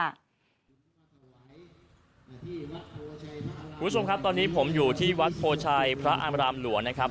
คุณผู้ชมครับตอนนี้ผมอยู่ที่วัดโพชัยพระอามรามหลวงนะครับ